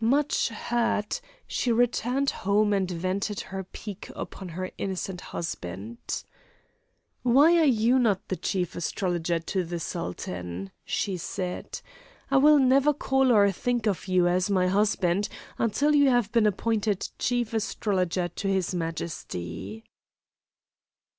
Much hurt, she returned home and vented her pique upon her innocent husband. "Why are you not the Chief Astrologer to the Sultan?" she said. "I will never call or think of you as my husband until you have been appointed Chief Astrologer to his Majesty."